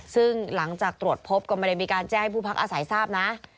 ซึ่งหลังจากตรวจพบก็ไม่ได้มีการแจ้งให้ผู้พักอาศัยทราบนะ